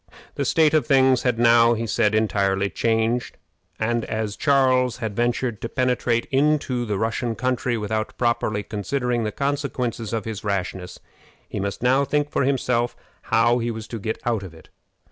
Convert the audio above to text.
The state of things had now, he said, entirely changed; and as Charles had ventured to penetrate into the Russian country without properly considering the consequences of his rashness, he must now think for himself how he was to get out of it.